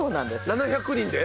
７００人で？